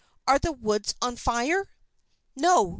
"Are the woods on fire?" "No!"